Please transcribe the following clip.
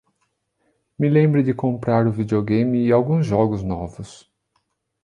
Me lembre de comprar o videogame e alguns jogos novos